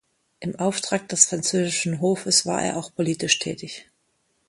Im Auftrag des französischen Hofes war er auch politisch tätig.